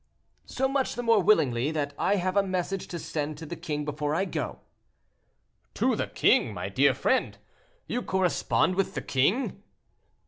"So much the more willingly, that I have a message to send to the king before I go." "To the king, my dear friend! You correspond with the king?"